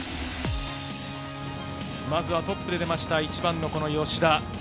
まずはトップで出ました、１番の吉田。